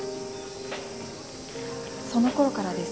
その頃からです。